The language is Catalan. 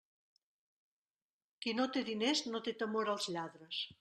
Qui no té diners no té temor als lladres.